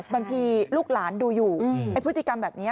บางทีลูกหลานดูอยู่ไอ้พฤติกรรมแบบนี้